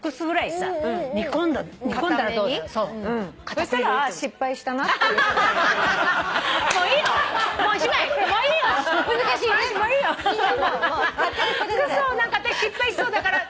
私失敗しそうだから。